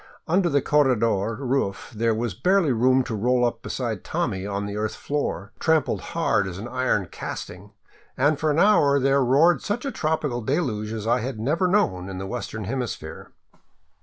Under the corredor roof there was barely room to roll up beside Tommy on the earth floor, trampled hard as an iron casting, and for an hour there roared such a tropical deluge as I had never known in the western hemisphere.